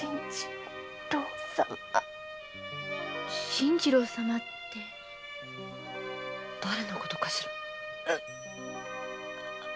信次郎様って。だれのことかしら？